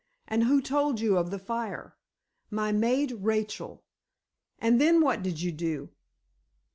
"And who told you of the fire?" "My maid—Rachel." "And then what did you do?"